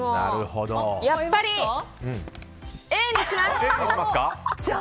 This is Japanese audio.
やっぱり、Ａにします！